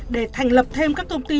để thành lập thêm các công ty